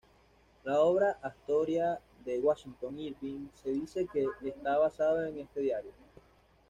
La obra "Astoria" de Washington Irving se dice que está basado en este diario.